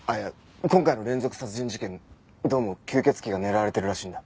今回の連続殺人事件どうも吸血鬼が狙われてるらしいんだ。